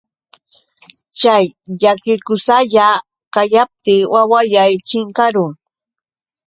Chay llakikusalla kayaptiy waway chinkarun.